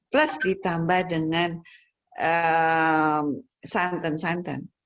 plus ditambah dengan santan santan